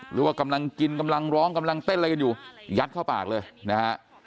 หรือว่ากำลังกินกำลังร้องกำลังเต้นอะไรกันอยู่ยัดเข้าปากเลยนะฮะ